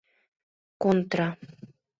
— Контра.